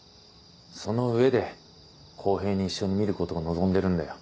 その上で公平に一緒に見ることを望んでるんだよ。